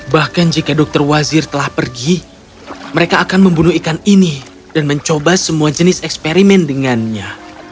bahkan jika dokter wazir telah pergi mereka akan membunuh ikan ini dan mencoba semua jenis eksperimen dengannya